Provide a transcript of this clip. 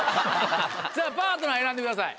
パートナー選んでください。